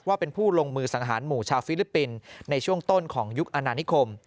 ว่าเป็นผู้ลงมือสังหารหมู่ชาวฟิลิปปินส์ในช่วงต้นของยุคอนานิคม